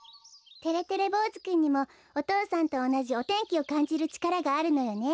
てれてれぼうずくんにもお父さんとおなじお天気をかんじるちからがあるのよね。